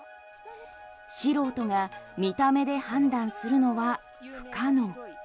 素人が見た目で判断するのは不可能。